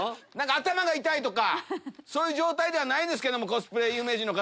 頭が痛いとかそういう状態ではないけどもコスプレ有名人の方。